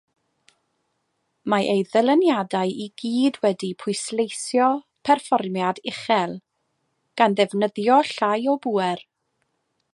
Mae ei ddyluniadau i gyd wedi pwysleisio perfformiad uchel gan ddefnyddio llai o bŵer.